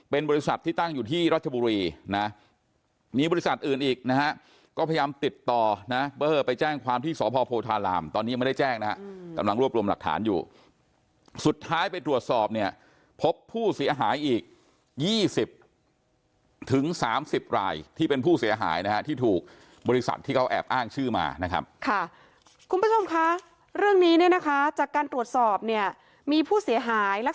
เป็นบริษัทที่ตั้งอยู่ที่รัชบุรีนะมีบริษัทอื่นอีกนะฮะก็พยายามติดต่อนะเบอร์ไปแจ้งความที่สหพโพธารามตอนนี้ไม่ได้แจ้งนะฮะตำลังรวบรวมหลักฐานอยู่สุดท้ายไปตรวจสอบเนี้ยพบผู้เสียหายอีกยี่สิบถึงสามสิบรายที่เป็นผู้เสียหายนะฮะที่ถูกบริษัทที่เขาแอบอ้างชื่อมานะครับค่ะคุณผู้ช